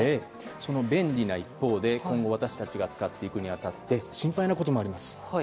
その便利な一方で今後、私たちが使っていくに当たって心配なこともあります。